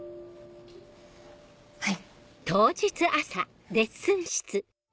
はい。